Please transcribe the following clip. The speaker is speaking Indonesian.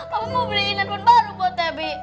papa mau beliin handphone baru buat debbie